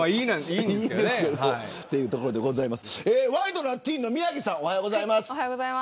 ワイドナティーンの宮城さんおはようございます。